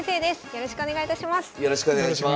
よろしくお願いします。